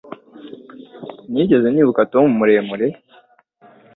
Sinigeze nibuka Tom muremure